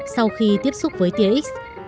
sau khi tiếp xúc với tia x